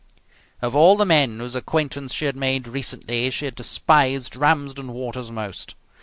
Of all the men whose acquaintance she had made recently she had despised Ramsden Waters most.